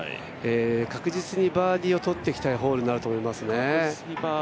確実にバーディーを取っていきたいホールになると思いますね。